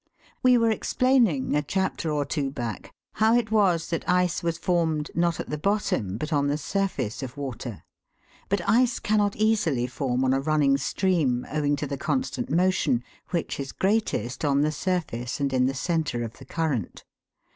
We were explaining, a chapter or two back, how it was that ice was formed, not at the bottom, but on the surface of water ; but ice cannot easily form on a running stream, owing to the constant motion, which is greatest on the sur face and in the centre of the current.